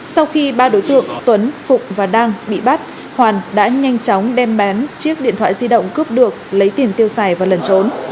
sau khi ba đối tượng tuấn phục và đang bị bắt hoàn đã nhanh chóng đem bán chiếc điện thoại di động cướp được lấy tiền tiêu xài và lần trốn